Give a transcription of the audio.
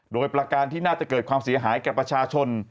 โดยประการที่น่าจะเกิดความเสียหายแก่ประชาชน